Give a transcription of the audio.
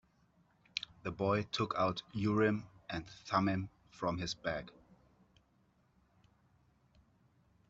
The boy took out Urim and Thummim from his bag.